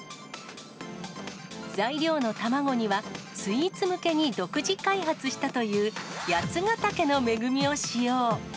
材料の卵には、スイーツ向けに独自開発したという、八ヶ岳の恵みを使用。